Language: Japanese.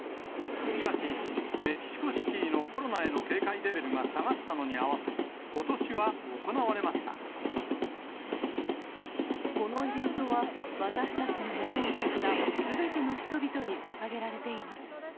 しかし、メキシコシティーのコロナへの警戒レベルが下がったのに合わせ、このイベントは、私たちのもとを去ったすべての人々にささげられています。